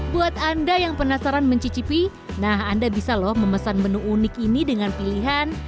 buat anda yang penasaran mencicipi nah anda bisa loh memesan menu unik ini dengan pilihan